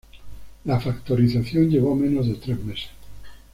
La factorización llevó menos de tres meses.